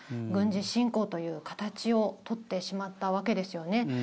軍事侵攻という形を取ってしまったわけですよね。